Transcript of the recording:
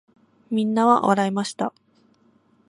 皆は笑いました。